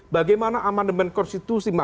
bagaimana amandemen konstitusi